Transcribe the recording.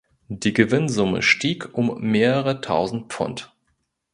Die Gewinnsumme stieg um mehrere Tausend Pfund.